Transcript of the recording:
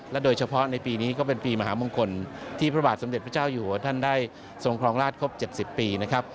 โดยเฉพาะในปีนี้ก็เป็นปีมหามงคลที่พระบาทสมเด็จพระเจ้าอยู่หัวท่านได้ทรงครองราชครบ๗๐ปีนะครับ